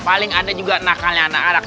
paling ada juga nakalnya anak anak